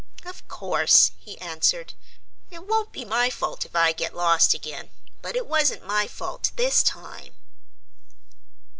"Of course," he answered. "It won't be my fault if I get lost again; but it wasn't my fault this time."